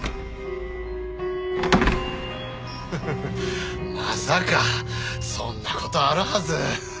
ハハハまさかそんな事あるはず。